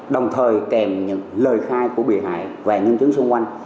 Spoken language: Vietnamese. đồng thời kèm những lời khai của bị hại và nhân chứng xung quanh